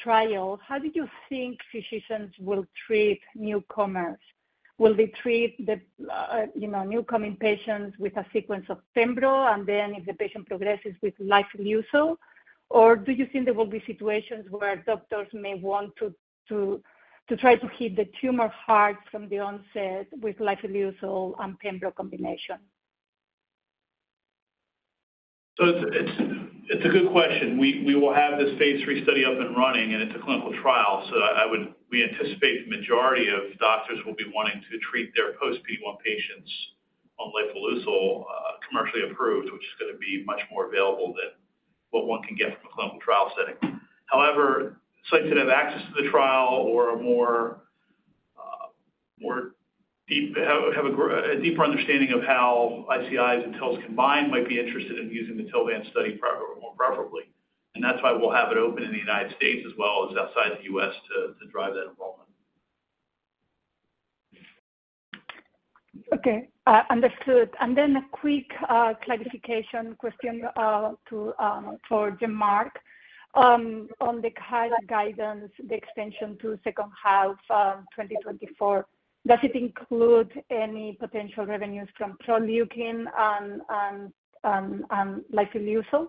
trial, how do you think physicians will treat newcomers? Will they treat the, you know, new coming patients with a sequence of pembro, and then if the patient progresses with lifileucel? Do you think there will be situations where doctors may want to try to hit the tumor hard from the onset with lifileucel and pembro combination? It's a good question. We will have this phase 3 study up and running, and it's a clinical trial, so we anticipate the majority of doctors will be wanting to treat their post-PD-1 patients on lifileucel commercially approved, which is gonna be much more available than what one can get from a clinical trial setting. However, sites that have access to the trial or are more, more deep, have a deeper understanding of how ICIs and TILs combined might be interested in using the TILVANCE study program more preferably. That's why we'll have it open in the United States as well as outside the U.S., to drive that enrollment. Okay, understood. A quick clarification question to for Jean-Marc. On the kind of guidance, the extension to second half 2024, does it include any potential revenues from Proleukin and, and, and, lifileucel?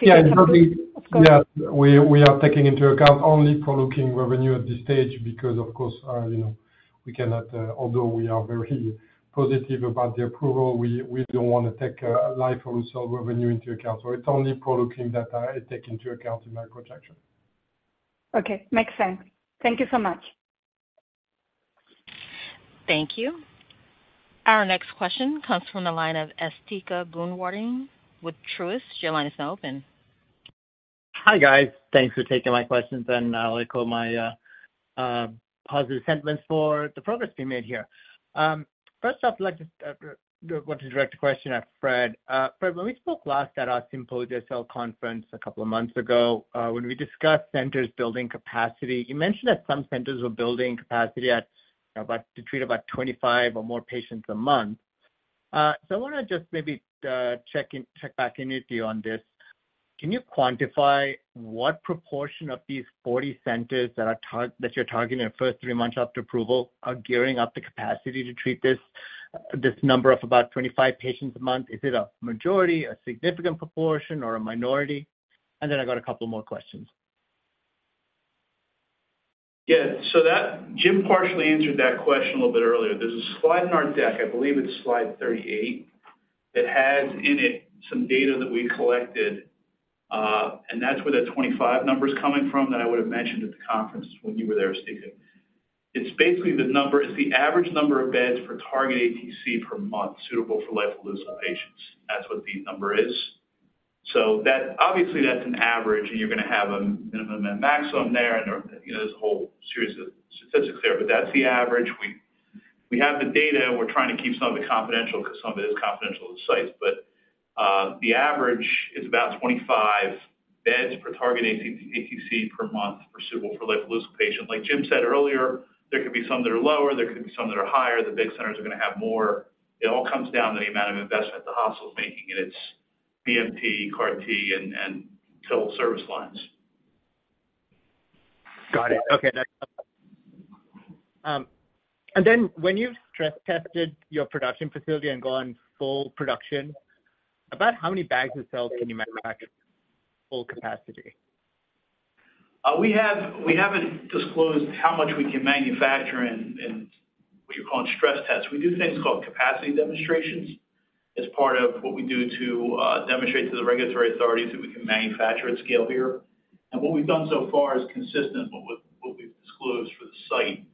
Yeah, it's only- Okay. Yeah, we are, we are taking into account only Proleukin revenue at this stage because, of course, you know, we cannot, although we are very positive about the approval, we, we don't want to take lifileucel revenue into account. It's only Proleukin that I take into account in my projection. Okay, makes sense. Thank you so much. Thank you. Our next question comes from the line of Asthika Goonewardene with Truist. Your line is now open. Hi, guys. Thanks for taking my questions, and echo my positive sentiments for the progress being made here. First off, I'd like to want to direct a question at Fred. Fred, when we spoke last at our Symposia Cell Conference a couple of months ago, when we discussed centers building capacity, you mentioned that some centers were building capacity at about, to treat about 25 or more patients a month. So I wanna just maybe check in, check back in with you on this. Can you quantify what proportion of these 40 centers that you're targeting in the first three months after approval are gearing up the capacity to treat this, this number of about 25 patients a month? Is it a majority, a significant proportion, or a minority? Then I got a couple more questions. Yeah. That, Jim partially answered that question a little bit earlier. There's a slide in our deck, I believe it's slide 38, that has in it some data that we collected, and that's where that 25 number is coming from, that I would have mentioned at the conference when you were there speaking. It's basically the number, it's the average number of beds for target ATC per month suitable for lifileucel patients. That's what the number is. That, obviously, that's an average, and you're going to have a minimum and maximum there, and, you know, there's a whole series of statistics there, but that's the average. We, we have the data, and we're trying to keep some of it confidential because some of it is confidential to the sites. The average is about 25 beds per target ATC, ATC per month for suitable for lifileucel patient. Like Jim said earlier, there could be some that are lower, there could be some that are higher. The big centers are going to have more. It all comes down to the amount of investment the hospital is making in its BMT, CAR-T, and, and total service lines. Got it. Okay, that's. Then when you've stress-tested your production facility and gone full production, about how many bags of cells can you manufacture at full capacity? We have, we haven't disclosed how much we can manufacture in, in what you're calling stress tests. We do things called capacity demonstrations as part of what we do to demonstrate to the regulatory authorities that we can manufacture at scale here. What we've done so far is consistent with what we've disclosed for the site,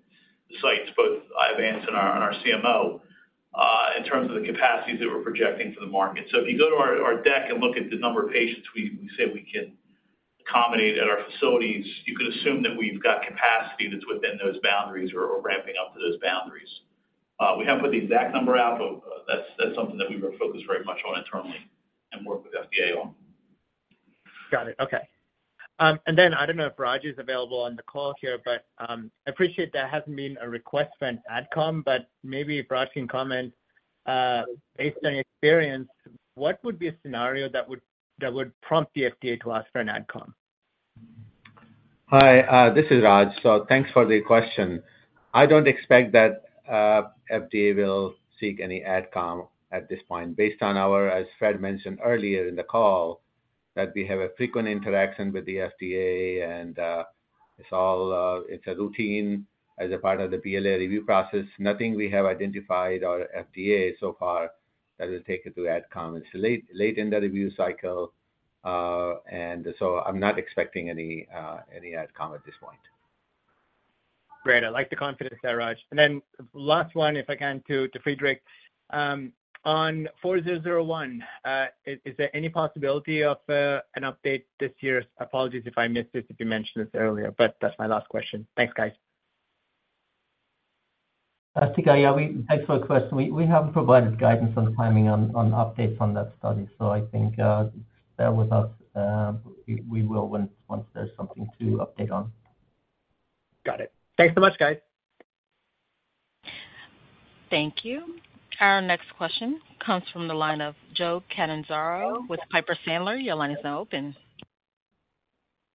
the sites, both Iovance and our, and our CMO, in terms of the capacities that we're projecting for the market. If you go to our, our deck and look at the number of patients we, we say we can accommodate at our facilities, you can assume that we've got capacity that's within those boundaries or ramping up to those boundaries. We haven't put the exact number out, but that's something that we were focused very much on internally and work with FDA on. Got it. Okay. Then I don't know if Raj is available on the call here, but I appreciate there hasn't been a request for an AdCom, but maybe Raj can comment, based on experience, what would be a scenario that would, that would prompt the FDA to ask for an AdCom? Hi, this is Raj. Thanks for the question. I don't expect that FDA will seek any Ad Com at this point. Based on our, as Fred mentioned earlier in the call, that we have a frequent interaction with the FDA, it's all a routine as a part of the BLA review process. Nothing we have identified or FDA so far that will take it to Ad Com. It's late, late in the review cycle, I'm not expecting any Ad Com at this point. Great. I like the confidence there, Raj. Then last one, if I can, to Friedrich. On IOV-4001, is there any possibility of an update this year? Apologies if I missed it, if you mentioned this earlier, but that's my last question. Thanks, guys. Asthika, we, thanks for the question. We, we haven't provided guidance on the timing on, on updates on that study, so I think, bear with us, we, we will once, once there's something to update on. Got it. Thanks so much, guys! Thank you. Our next question comes from the line of Joseph Catanzaro with Piper Sandler. Your line is now open.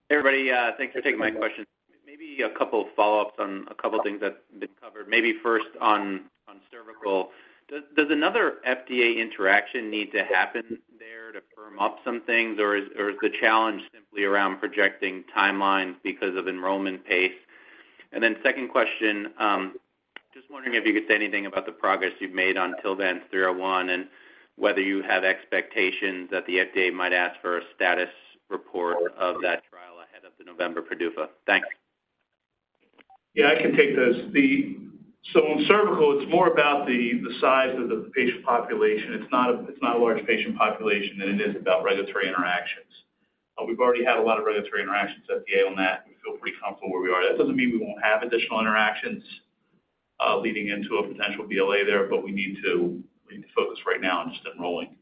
Hey, everybody, thanks for taking my question. Maybe a couple of follow-ups on a couple of things that have been covered. Maybe first on, on cervical. Does, does another FDA interaction need to happen there to firm up some things, or is, or is the challenge simply around projecting timelines because of enrollment pace? Second question, just wondering if you could say anything about the progress you've made on TILVANCE-301 and whether you have expectations that the FDA might ask for a status report of that trial ahead of the November PDUFA. Thanks. Yeah, I can take those. On cervical, it's more about the size of the patient population. It's not a large patient population than it is about regulatory interactions. We've already had a lot of regulatory interactions with FDA on that. We feel pretty comfortable where we are. That doesn't mean we won't have additional interactions leading into a potential BLA there. We need to focus right now on just enrolling.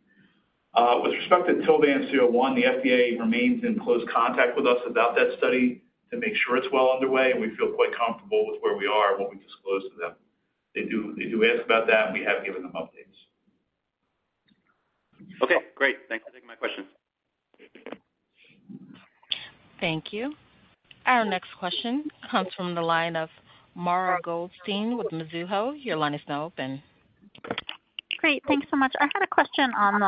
With respect to TILVANCE-301, the FDA remains in close contact with us about that study to make sure it's well underway, and we feel quite comfortable with where we are and what we disclose to them. They do ask about that, and we have given them updates. Okay, great. Thanks for taking my questions. Thank you. Our next question comes from the line of Mara Goldstein with Mizuho. Your line is now open. Great. Thanks so much. I had a question on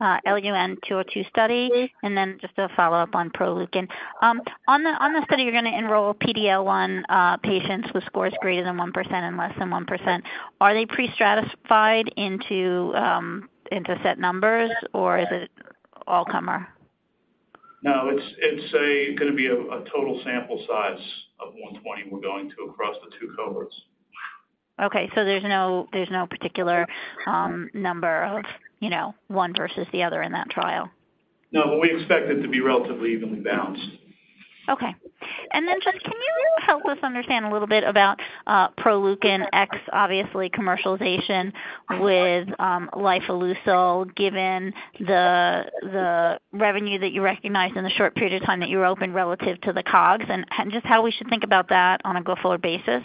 the LUN-202 study, and then just a follow-up on Proleukin. On the, on the study, you're going to enroll PDL-1 patients with scores greater than 1% and less than 1%. Are they pre-stratified into set numbers, or is it all comer? No, it's, it's a, going to be a, a total sample size of 120 we're going to across the 2 cohorts. Okay, so there's no, there's no particular, number of, you know, one versus the other in that trial? No, but we expect it to be relatively evenly balanced. Okay. Then, just, can you help us understand a little bit about Proleukin X, obviously, commercialization with lifileucel, given the revenue that you recognized in the short period of time that you were open relative to the COGS, and just how we should think about that on a go-forward basis?...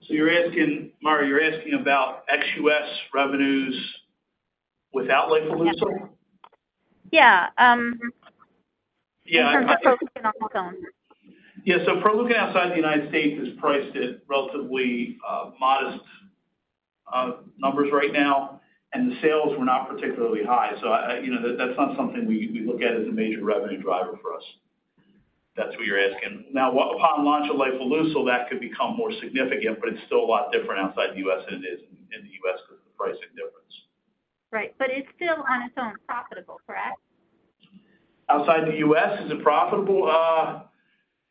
you're asking, Mario, you're asking about ex-US revenues without lifileucel? Yeah. Yeah. In terms of Proleukin. Yeah, Proleukin outside the United States is priced at relatively modest numbers right now, and the sales were not particularly high. I, I, you know, that's not something we, we look at as a major revenue driver for us. If that's what you're asking. Upon launch of lifileucel, that could become more significant, but it's still a lot different outside the US than it is in the US with the pricing difference. Right. It's still on its own profitable, correct? Outside the U.S., is it profitable?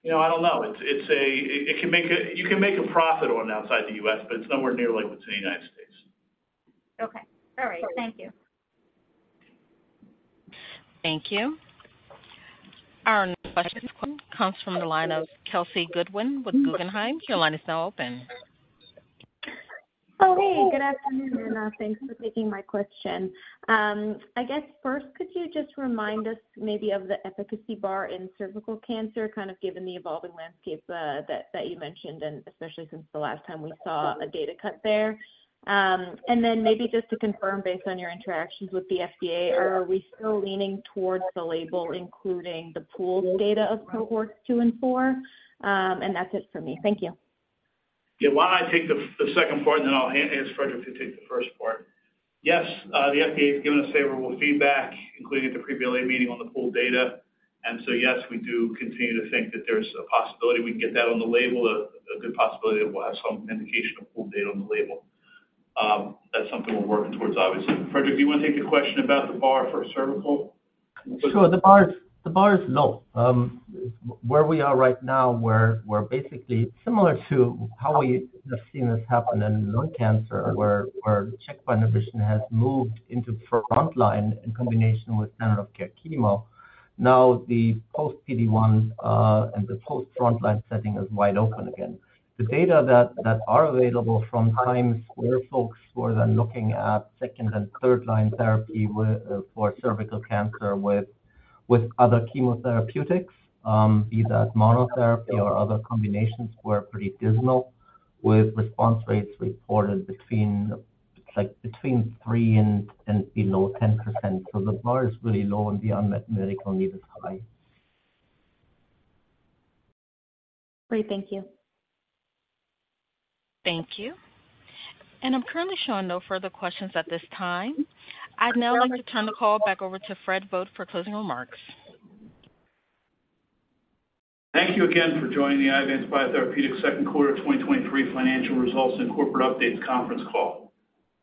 You know, I don't know. It's, it's a, it can make a, you can make a profit on it outside the U.S., but it's nowhere near like what's in the United States. Okay. All right. Thank you. Thank you. Our next question comes from the line of Kelsey Goodwin with Guggenheim. Your line is now open. Oh, hey, good afternoon, thanks for taking my question. I guess first, could you just remind us maybe of the efficacy bar in cervical cancer, kind of given the evolving landscape that you mentioned, and especially since the last time we saw a data cut there? Then maybe just to confirm, based on your interactions with the FDA, are we still leaning towards the label, including the pooled data of cohorts 2 and 4? That's it for me. Thank you. Yeah. Why don't I take the, the second part, and then I'll ask Frederick to take the first part. Yes, the FDA has given us favorable feedback, including at the pre-BLA meeting on the pooled data. Yes, we do continue to think that there's a possibility we can get that on the label, a, a good possibility that we'll have some indication of pooled data on the label. That's something we're working towards, obviously. Frederick, do you want to take a question about the bar for cervical? Sure. The bar is, the bar is low. where we are right now, we're, we're basically similar to how we have seen this happen in lung cancer, where, where checkpoint inhibition has moved into frontline in combination with standard of care chemo. The post-PD-1 and the post-frontline setting is wide open again. The data that, that are available from times where folks were then looking at second and third line therapy with, for cervical cancer with, with other chemotherapeutics, be that monotherapy or other combinations, were pretty dismal, with response rates reported between, like, between 3 and, and below 10%. The bar is really low, and the unmet medical need is high. Great. Thank you. Thank you. I'm currently showing no further questions at this time. I'd now like to turn the call back over to Frederick Vogt for closing remarks. Thank you again for joining the Iovance Biotherapeutics second quarter 2023 financial results and corporate updates conference call.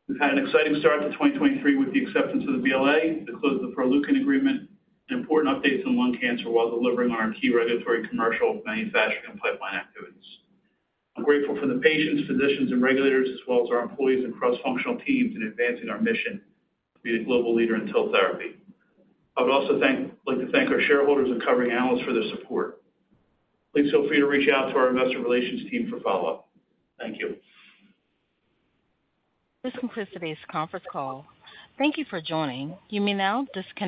We've had an exciting start to 2023 with the acceptance of the BLA, the close of the Proleukin agreement, and important updates on lung cancer while delivering on our key regulatory, commercial, manufacturing, and pipeline activities. I'm grateful for the patients, physicians, and regulators, as well as our employees and cross-functional teams in advancing our mission to be a global leader in cell therapy. I would also like to thank our shareholders and covering analysts for their support. Please feel free to reach out to our investor relations team for follow-up. Thank you. This concludes today's conference call. Thank you for joining. You may now disconnect.